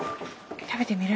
食べてみる？